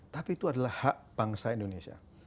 tapi itu adalah hak bangsa indonesia